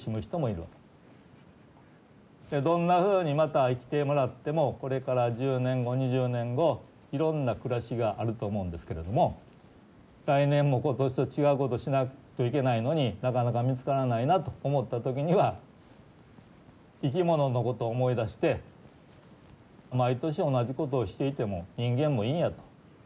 どんなふうにまた生きてもらってもこれから１０年後２０年後いろんな暮らしがあると思うんですけれども来年も今年と違うことしないといけないのになかなか見つからないなと思った時には生き物のことを思い出して毎年同じことをしていても人間もいいんやと。